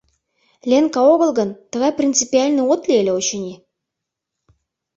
— Ленка огыл гын, тыгай принципиальный от лий ыле, очыни.